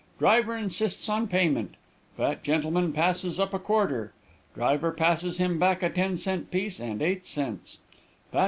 Driver insists on payment. Fat gentleman passes up a quarter. Driver passes him back a ten cent piece and eight cents.